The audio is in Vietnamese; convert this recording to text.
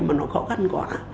mà nó khó khăn quá